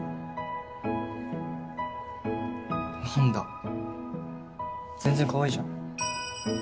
何だ全然かわいいじゃん。